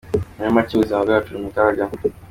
Muri macye ubuzima bwacu buri mu kaga.